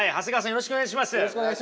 よろしくお願いします。